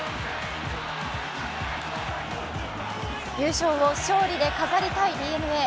優勝を勝利で飾りたいＤｅＮＡ。